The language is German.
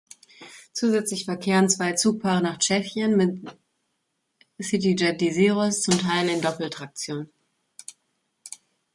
Zusätzlich verkehren zwei Zugpaare nach Tschechien mit cityjet-Desiros, zum Teil in Doppeltraktion.